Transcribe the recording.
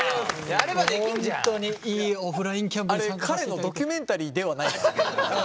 あれ彼のドキュメンタリーではないからね。